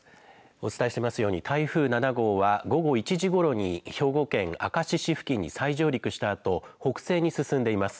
お伝えしていますように台風７号は午後１時ごろに兵庫県明石市付近に再上陸したあと、北西に進んでいます。